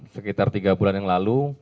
sekitar tiga bulan yang lalu